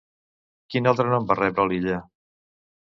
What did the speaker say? Quin altre nom va rebre l'illa?